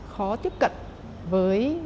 khó tiếp cận với